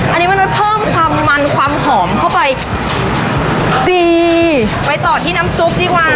อันนี้มันเพิ่มความมันความหอมเข้าไปตีไปต่อที่น้ำซุปดีกว่า